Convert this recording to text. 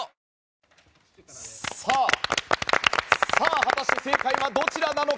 果たして正解はどちらなのか。